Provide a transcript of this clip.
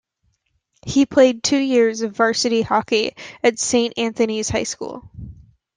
He played two years of Varsity hockey at Saint Anthony's High School.